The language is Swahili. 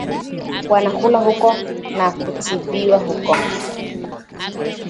Wanakula huko na kutibiwa huko